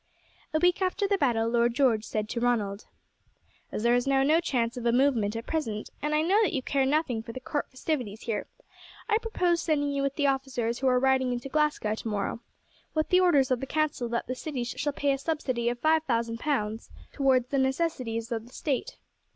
A week after the battle Lord George said to Ronald: "As there is now no chance of a movement at present, and I know that you care nothing for the court festivities here, I propose sending you with the officers who are riding into Glasgow tomorrow, with the orders of the council that the city shall pay a subsidy of five thousand pounds towards the necessities of the state.